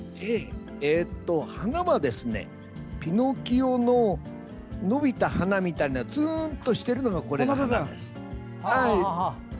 花はピノキオの伸びた鼻みたいなツーンとしてるのが花です。